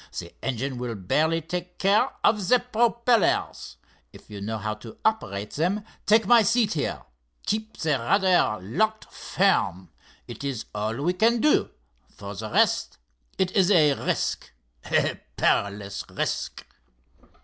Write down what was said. The engine will barely take care of the propellers. If you know how to operate them, take my seat here. Keep the rudder locked firm. That is all we can do. For the rest—it is a risk, a perilous risk."